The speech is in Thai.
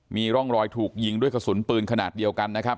มีร่องรอยถูกยิงด้วยกระสุนปืนขนาดเดียวกันนะครับ